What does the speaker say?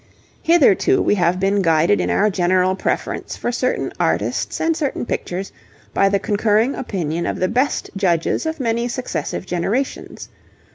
Hitherto we have been guided in our general preference for certain artists and certain pictures by the concurring opinion of the best judges of many successive generations.